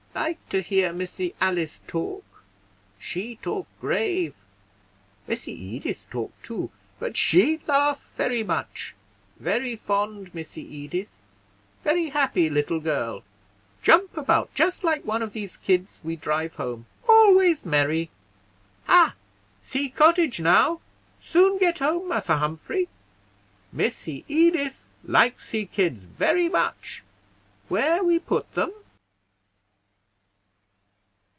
"Like to hear Missy Alice talk; she talk grave. Missy Edith talk too, but she laugh very much; very fond Missy Edith, very happy little girl; jump about just like one of these kids we drive home; always merry. Hah! see cottage now; soon get home, Massa Humphrey. Missy Edith like see kids very much. Where we put them?"